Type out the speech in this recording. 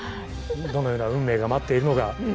どのような運命が待っているのか。